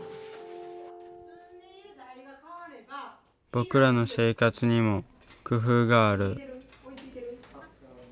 僕らの生活にも工夫がある。